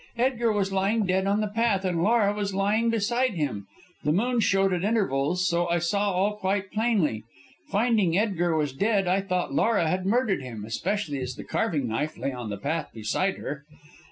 Edgar was lying dead on the path, and Laura was lying beside him. The moon showed at intervals, so I saw all quite plainly. Finding Edgar was dead I thought Laura had murdered him, especially as the carving knife lay on the path beside her.